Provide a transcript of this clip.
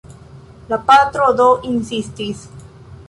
La patro do insistis.